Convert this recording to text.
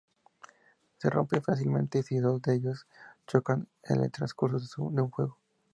Se rompen fácilmente si dos de ellos chocan en el transcurso de un juego.